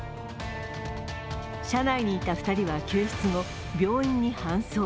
車内にいた２人は救出後、病院に搬送。